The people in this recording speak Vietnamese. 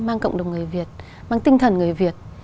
mang cộng đồng người việt mang tinh thần người việt